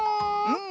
うん。